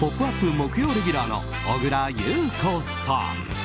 木曜レギュラーの小倉優子さん。